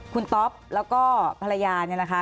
คุณต๊อปแล้วก็ภรรยาเนี่ยนะคะ